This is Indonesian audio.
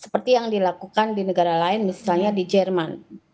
seperti yang dilakukan di negara lain misalnya di jerman